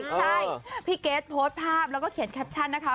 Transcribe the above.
ใช่พี่เกรทโพสต์ภาพแล้วก็เขียนแคปชั่นนะคะ